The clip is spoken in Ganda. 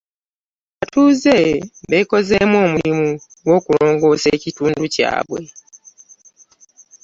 Abatuuzee bekozeemu omulimu ogwokulongoosa ekitundu kyaabwe.